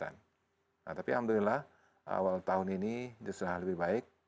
nah tapi alhamdulillah awal tahun ini sudah lebih baik